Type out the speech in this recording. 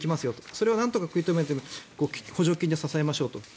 それはなんとか食い止めて補助金で支えましょうと。